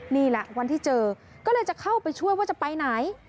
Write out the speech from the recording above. นี่แหละวันที่เจอก็เลยจะเข้าไปช่วยว่าจะไปไหน